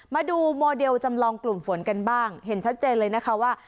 มาดูโมเดลจำลองกลุ่มฝนกันบ้างเห็นชัดเจนเลยนะคะว่า